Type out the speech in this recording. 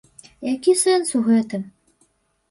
Які сэнс у гэтым?